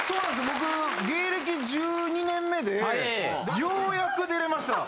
僕芸歴１２年目でようやく出れました。